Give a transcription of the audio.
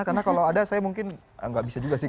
karena kalau ada saya mungkin nggak bisa juga sih